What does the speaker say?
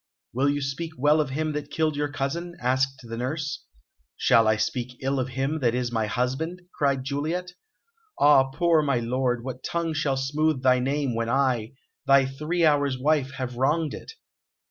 "Will you speak well of him that killed your cousin?" asked the nurse. "Shall I speak ill of him that is my husband?" cried Juliet. "Ah, poor my lord, what tongue shall smooth thy name when I, thy three hours wife, have wronged it?"